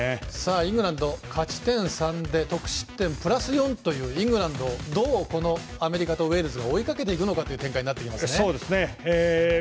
イングランド、勝ち点３で得失点プラス４というイングランドをどうアメリカとウェールズが追いかけていくのかという展開になってきますね。